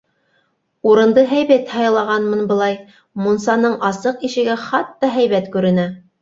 Урынды һәйбәт һайлағанмын былай, мунсаның асыҡ ишеге хатта һәйбәт күренә.